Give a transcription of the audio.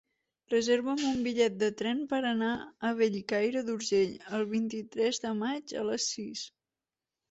Reserva'm un bitllet de tren per anar a Bellcaire d'Urgell el vint-i-tres de maig a les sis.